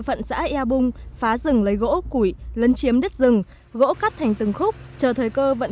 phận xã ea bung phá rừng lấy gỗ củi lấn chiếm đất rừng gỗ cắt thành từng khúc chờ thời cơ vận